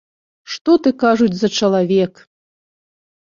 Што ты, кажуць, за чалавек!